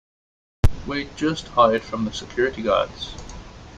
We'd just hide from the security guards.